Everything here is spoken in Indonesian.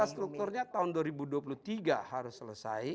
strukturnya tahun dua ribu dua puluh tiga harus selesai